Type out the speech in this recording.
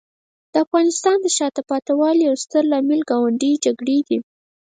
د افغانستان د شاته پاتې والي یو ستر عامل ګاونډي جګړې دي.